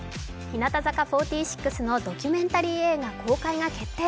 日向坂４６のドキュメンタリー映画公開が決定。